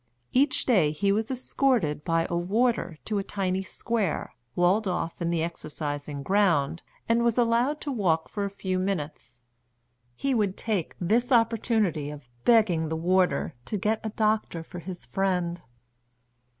Each day he was escorted by a warder to a tiny square, walled off in the exercising ground, and was allowed to walk for a few minutes; he would take this opportunity of begging the warder to get the doctor for his friend.